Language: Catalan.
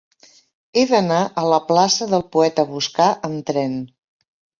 He d'anar a la plaça del Poeta Boscà amb tren.